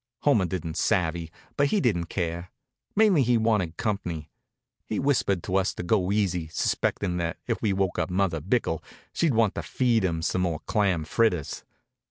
Homer didn't savvy, but he didn't care. Mainly he wanted comp'ny. He whispered to us to go easy, suspectin' that if we woke up Mother Bickell she'd want to feed him some more clam fritters.